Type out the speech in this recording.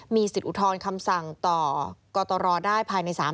มีสิทธิ์อุทธรณ์คำสั่งต่อกตรได้ภายใน๓ปี